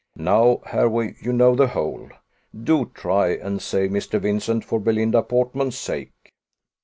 Now, Hervey, you know the whole, do try and save Mr. Vincent, for Belinda Portman's sake."